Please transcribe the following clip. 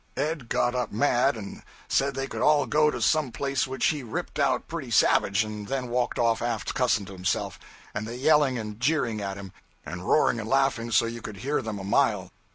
Ed got up mad and said they could all go to some place which he ripped out pretty savage, and then walked off aft cussing to himself, and they yelling and jeering at him, and roaring and laughing so you could hear them a mile.